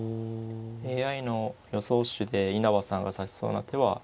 ＡＩの予想手で稲葉さんが指しそうな手は２四金。